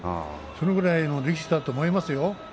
それぐらいの力士だと思いますよ